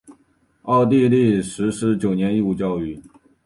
奥地利实施九年义务教育。